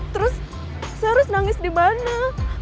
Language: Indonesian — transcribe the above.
terus saya harus nangis di mana